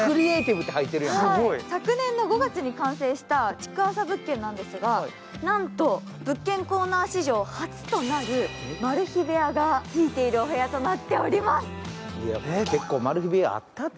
昨年の５月に完成した築浅物件なんですが、なんと物件コーナー史上初となるマル秘部屋がついているお部屋となっております。